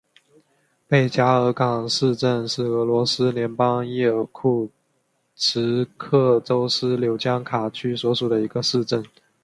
贝加尔港市镇是俄罗斯联邦伊尔库茨克州斯柳江卡区所属的一个市镇。